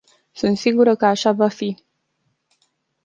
Sunt sigură că așa va fi.